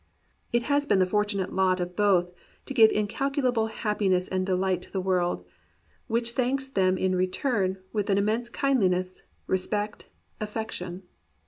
It has been the fortunate lot of both to give incalculable happiness and delight to the world, which thanks them in return with an immense kindliness, respect, affection.